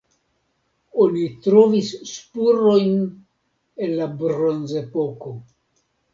Oni trovis spurojn el la bronzepoko.